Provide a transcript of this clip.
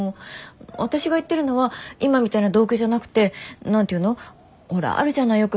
私が言ってるのは今みたいな同居じゃなくて何て言うのほらあるじゃないよく。